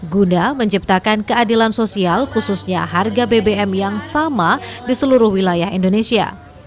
guna menciptakan keadilan sosial khususnya harga bbm yang sama di seluruh wilayah indonesia